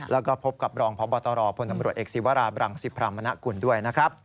แล้วก็พบกับรองพบตรพลตำรวจเอกศิวราบรังสิพรามณกุลด้วยนะครับ